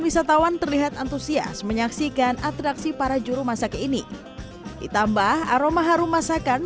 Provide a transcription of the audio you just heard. wisatawan terlihat antusias menyaksikan atraksi para juru masak ini ditambah aroma harum masakan